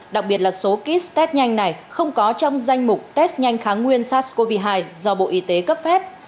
bốn trăm linh đặc biệt là số kit test nhanh này không có trong danh mục test nhanh kháng nguyên sars cov hai do bộ y tế cấp phép